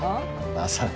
まさか。